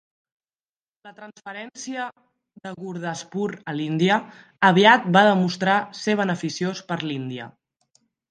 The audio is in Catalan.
La transferència de Gurdaspur a l'Índia aviat va demostrar ser beneficiós per l'Índia.